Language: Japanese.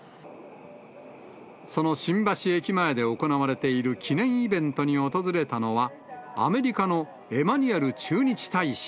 その新橋駅前で行われている記念イベントに訪れたのは、アメリカのエマニュエル駐日大使。